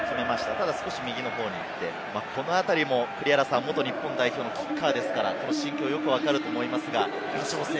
ただ少し右の方に行って、このあたりも元日本代表のキッカーですから、栗原さん、よく心境が分かると思います。